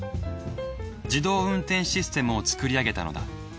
自動運転システムを作り上げたのだ。